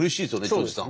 長司さん。